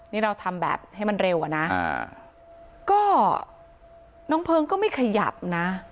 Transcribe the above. นี่เราทำแบบให้มันเร็วอ่ะนะก็น้องเพลิงก็ไม่ขยับนะ